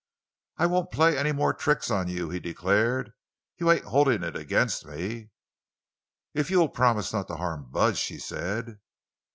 "I won't play any more tricks—on you," he declared. "You ain't holding it against me?" "If you will promise not to harm Bud," she said.